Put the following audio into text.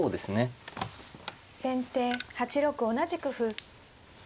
先手８六同じく歩。